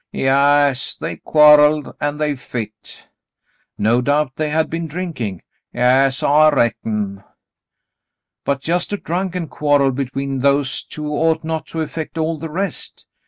"Yaas, they quarrelled, an' they fit." "No doubt they had been drinking." "Yas, I reckon." "But just a drunken quarrel between those two ought not to affect all the rest.